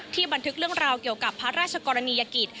บันทึกเรื่องราวเกี่ยวกับพระราชกรณียกิจ